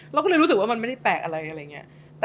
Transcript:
เราก็เลยรู้สึกว่ามันไม่ได้แปลกอะไรอะไรอย่างนี้